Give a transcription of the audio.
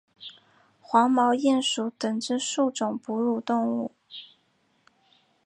黄毛鼹属等之数种哺乳动物。